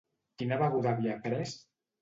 Quina beguda havia pres?